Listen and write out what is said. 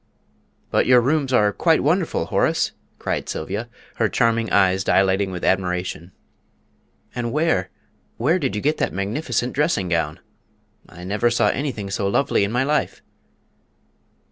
"But your rooms are quite wonderful, Horace!" cried Sylvia, her charming eyes dilating with admiration. "And where, where did you get that magnificent dressing gown? I never saw anything so lovely in my life!"